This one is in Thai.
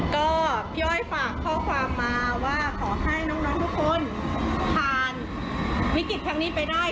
ก็พี่อ้อยฝากข้อความมาว่าขอให้น้องทุกคนผ่านวิกฤตครั้งนี้ไปได้